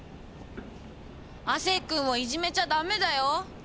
亜生君をいじめちゃダメだよ。